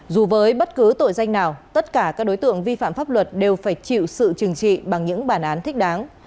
dù với bất cứ tội danh nào tất cả các đối tượng vi phạm pháp luật đều phải chịu sự trừng trị bằng những bản án thích đáng